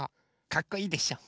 かっこいいでしょ？